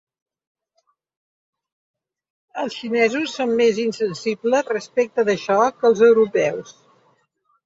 Els xinesos són més insensibles respecte d’això que els europeus.